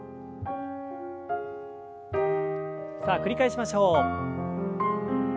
さあ繰り返しましょう。